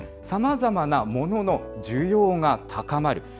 さまざまなものの需要が高まる。